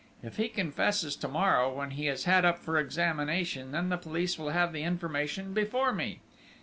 If he confesses, to morrow, when he is had up for examination, then the police will have the information before me!...